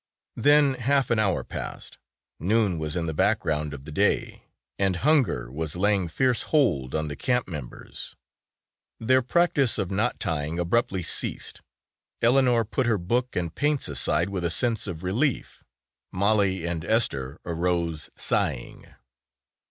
Then half an hour passed, noon was in the background of the day and hunger was laying fierce hold on the camp members. Their practice of knot tying abruptly ceased, Eleanor put her book and paints aside with a sense of relief, Mollie and Esther arose sighing.